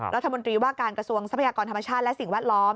รัฐมนตรีว่าการกระทรวงทรัพยากรธรรมชาติและสิ่งแวดล้อม